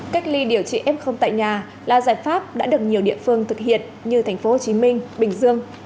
cách ly điều trị f tại nhà là giải pháp đã được nhiều địa phương thực hiện như thành phố hồ chí minh bình dương